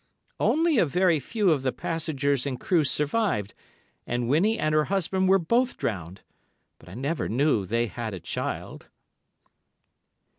Only a very few of the passengers and crew survived, and Winnie and her husband were both drowned. But I never knew they had a child."